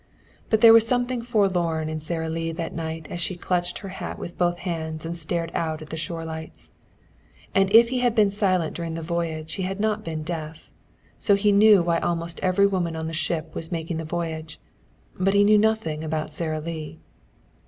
But there was something forlorn in Sara Lee that night as she clutched her hat with both hands and stared out at the shore lights. And if he had been silent during the voyage he had not been deaf. So he knew why almost every woman on the ship was making the voyage; but he knew nothing about Sara Lee.